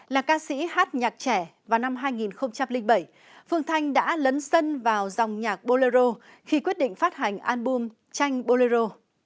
là ca sĩ hát nhạc trẻ vào năm hai nghìn bảy phương thanh đã lấn sân vào dòng nhạc bolero khi quyết định phát hành album chanh bolero